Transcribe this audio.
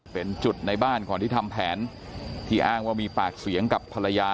เป็นจุดในบ้านก่อนที่ทำแผนที่อ้างว่ามีปากเสียงกับภรรยา